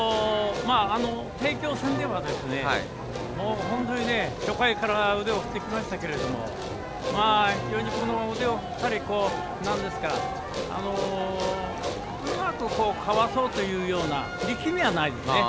帝京戦では初回から腕を振っていきましたけれどもうまく、かわそうというような力みは、ないですね。